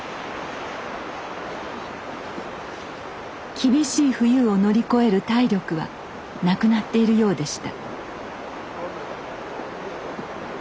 厳しい冬を乗り越える体力はなくなっているようでした。